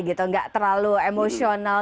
gitu gak terlalu emosional